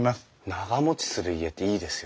長もちする家っていいですよね。